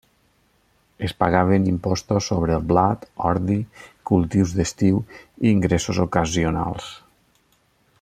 Es pagaven impostos sobre el blat, ordi, cultius d'estiu i ingressos ocasionals.